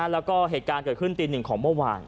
แล้วก็เหตุการณ์เกิดขึ้นตีหนึ่งของเมื่อวาน